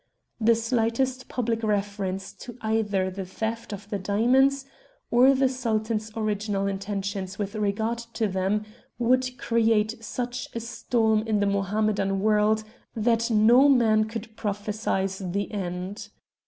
The slightest public reference to either the theft of the diamonds or the Sultan's original intentions with regard to them would create such a storm in the Mohammedan world that no man could prophesy the end.